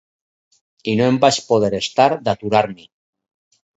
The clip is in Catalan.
I no em vaig poder estar d'aturar-m'hi.